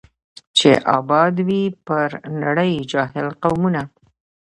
چي آباد وي پر نړۍ جاهل قومونه